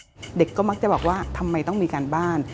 เด็กก็มักจะบอกว่าทำไมต้องมีการบ้าน